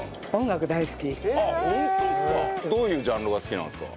どういうジャンルが好きなんですか？